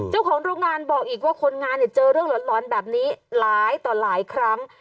เจ้าของโรงงานบอกอีกว่าคนงานเนี่ยเจอเรื่องหลอนแบบนี้หลายต่อหลายครั้ง